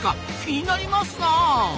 気になりますなあ。